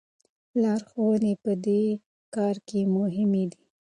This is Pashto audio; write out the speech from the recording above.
لارښوونې په دې کار کې مهمې دي.